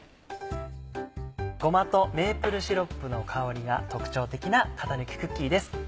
ごまとメープルシロップの香りが特徴的な型抜きクッキーです。